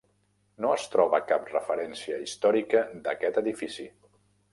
No es troba cap referència històrica d'aquest edifici.